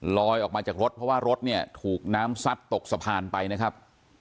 ออกมาจากรถเพราะว่ารถเนี่ยถูกน้ำซัดตกสะพานไปนะครับ